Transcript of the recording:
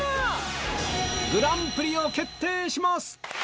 グランプリを決定します！